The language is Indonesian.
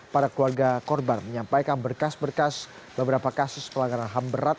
para keluarga korban menyampaikan berkas berkas beberapa kasus pelanggaran ham berat